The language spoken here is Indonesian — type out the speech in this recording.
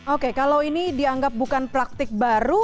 oke kalau ini dianggap bukan praktik baru